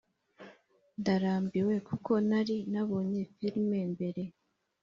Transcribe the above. ndarambiwe kuko nari nabonye film mbere.